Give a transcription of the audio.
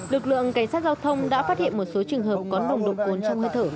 lực lượng cảnh sát giao thông đã phát hiện một số trường hợp có nồng độ cồn trong hơi thở